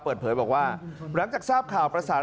เปิดเผยบอกว่าหลังจากทราบข่าวประสาน